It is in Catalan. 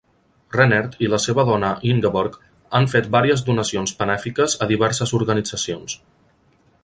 Rennert i la seva dona Ingeborg han fet vàries donacions benèfiques a diverses organitzacions.